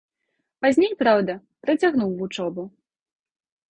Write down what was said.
Пазней, праўда, працягнуў вучобу.